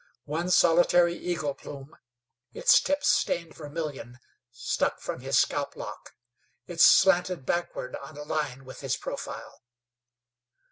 One solitary eagle plume, its tip stained vermilion, stuck from his scalp lock. It slated backward on a line with his profile.